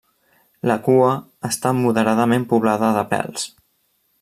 La cua està moderadament poblada de pèls.